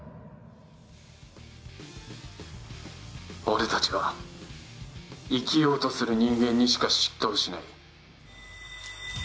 俺たちは生きようとする人間にしか執刀しない。